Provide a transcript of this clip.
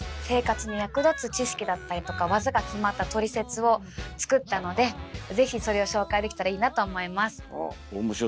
生活に役立つ知識だったりとか技が詰まったトリセツを作ったのでぜひそれを紹介できたらいいなと思います。